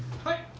はい。